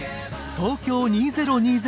東京２０２０